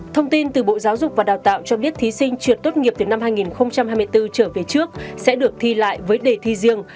thông tin từ bộ giáo dục và đào tạo cho biết thí sinh trượt tốt nghiệp từ năm hai nghìn hai mươi bốn trở về trước sẽ được thi lại với đề thi riêng